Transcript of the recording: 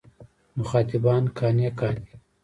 مخاطبان قانع کاندي.